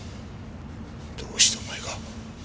どうしてお前が？